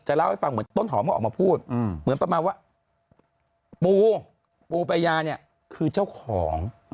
เล่าให้ฟังเหมือนต้นหอมก็ออกมาพูดเหมือนประมาณว่าปูปูประยาเนี่ยคือเจ้าของ